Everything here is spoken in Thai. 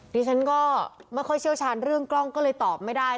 ดิฉันก็ไม่ค่อยเชี่ยวชาญเรื่องกล้องก็เลยตอบไม่ได้